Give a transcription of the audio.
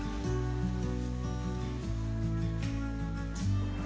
ketika overpopulasi itu tidak bisa ditekan